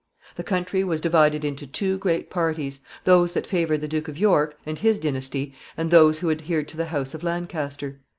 The country was divided into two great parties those that favored the Duke of York and his dynasty, and those who adhered to the house of Lancaster.